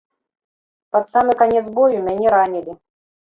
Пад самы канец бою мяне ранілі.